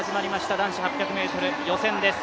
男子８００ｍ予選です。